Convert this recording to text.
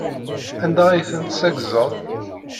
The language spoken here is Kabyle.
Anda ay ten-tessaggzeḍ?